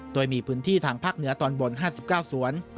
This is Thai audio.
โดยมีพื้นที่ทางภาคเหนือตอนบน๕๙สวน